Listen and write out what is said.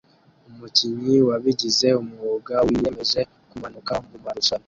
Umukinnyi wabigize umwuga wiyemeje kumanuka mumarushanwa